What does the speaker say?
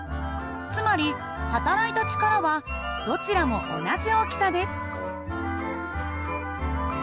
つまりはたらいた力はどちらも同じ大きさです。